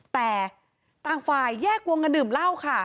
แต่ต่างฝ่ายแยกวงกันดื่มเหล้าค่ะ